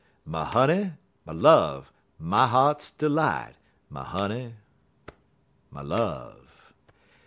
My honey, my love, my heart's delight My honey, my love!